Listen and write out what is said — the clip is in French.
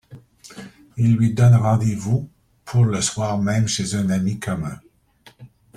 Il lui donne rendez-vous pour le soir même chez un ami commun.